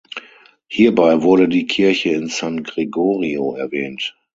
Hierbei wurde die Kirche San Gregorio erwähnt.